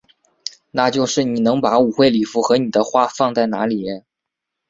那就是你能把舞会礼服和你的花放在哪里？